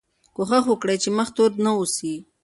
کوښښ وکړئ چې مخ تور نه اوسئ.